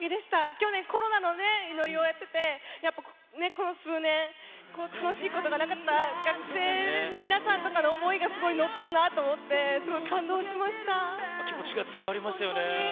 去年、コロナのね、祈りをやってて、やっぱこの数年、楽しいことがなかった学生の皆さんとかの思いがすごい乗ってるな気持ちが伝わりましたよね。